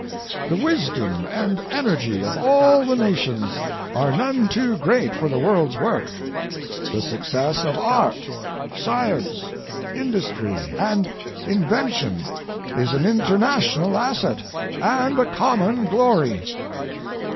The wisdom and energy of all the nations are none too great for the world's work. The success of art, science, indus try, and invention is an international asset and a common glory.